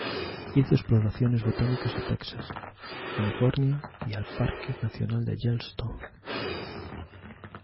Hizo exploraciones botánicas a Texas, California y al Parque nacional Yellowstone.